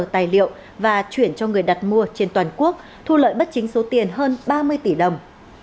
tài liệu và chuyển cho người đặt mua trên toàn quốc thu lợi bất chính số tiền hơn ba mươi tỷ đồng